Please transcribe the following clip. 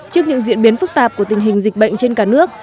trước những diễn biến phức tạp của tình hình dịch bệnh trên cả nước